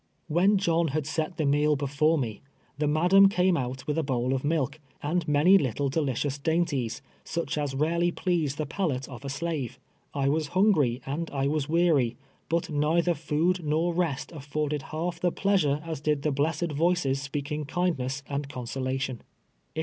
When John had set the meal before me, the madam came out with a bowl of milk, and many little deli cious dainties, such as rarely please the palate of a slave. I was hungry, and I was weary, but neither food nor rest afibrded half the pleasure as did the blessed voices speaking kindness and consolation. It FOOD AKD REST.